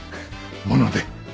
もので。